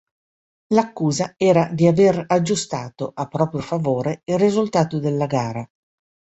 L'accusa era di aver aggiustato, a proprio favore, il risultato della gara.